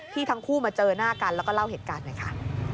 ทั้งคู่มาเจอหน้ากันแล้วก็เล่าเหตุการณ์หน่อยค่ะ